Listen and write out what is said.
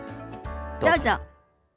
どうぞ。